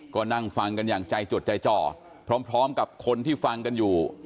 ก็นั่งฟังกันอย่างใจจดใจจ่อพร้อมกับคนที่ฟังกันอยู่